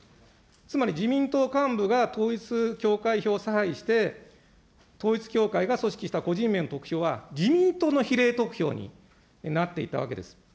つまり、自民党幹部が統一教会票を差配して、統一教会が組織した個人名の得票は、自民党の比例得票になっていたわけです。